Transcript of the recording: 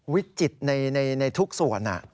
วิจิตรในทุกส่วน